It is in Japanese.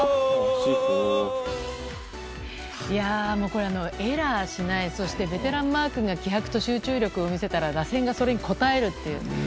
これはエラーしないそしてベテランのマー君が気迫と集中力を見せたら打線がそれに応えるという。